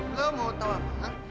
lo mau tau apa